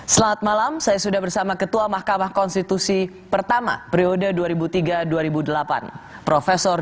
selamat malam saya sudah bersama ketua mahkamah konstitusi pertama periode dua ribu tiga dua ribu delapan prof